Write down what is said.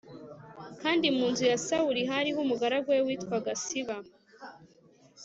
Kandi mu nzu ya Sawuli hariho umugaragu we witwaga Siba